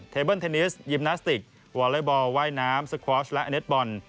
เบิ้ลเทนนิสยิมนาสติกวอเล็กบอลว่ายน้ำสควอร์ชและอเน็ตบอล